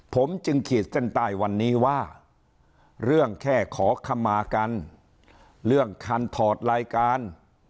ผมจึงขีดเส้นใต้วันนี้ว่าเรื่องแค่ขอคำมากันเรื่องคันถอดรายการ